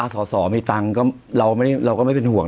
สอสอมีตังค์เราก็ไม่เป็นห่วง